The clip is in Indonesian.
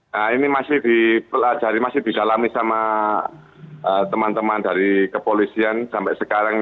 nah ini masih dipelajari masih didalami sama teman teman dari kepolisian sampai sekarang